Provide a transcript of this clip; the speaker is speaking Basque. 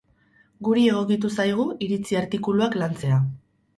Guri egokitu zaigu iritzi artikuluak lantzea.